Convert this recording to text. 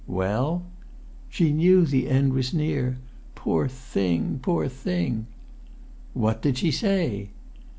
"Well?" "She knew the end was near. Poor thing! Poor thing!" "What did she say?"